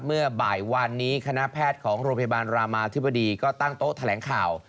เมื่อบ่ายวานนี้คณะแพทย์ของโรงพยาบาลรามาธิบดีก็ตั้งโต๊ะแถลงข่าว